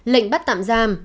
lệnh bắt tạm giam